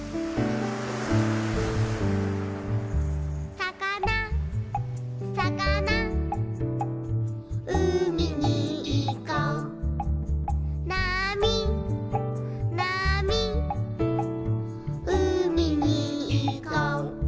「さかなさかな」「うみにいこう」「なみなみ」「うみにいこう」